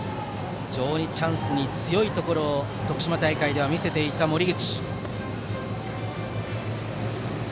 チャンスに強いところを徳島大会では見せていた、森口。